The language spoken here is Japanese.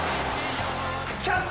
キャッチ！